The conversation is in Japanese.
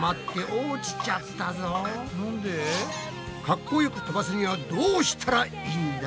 かっこよく飛ばすにはどうしたらいいんだ？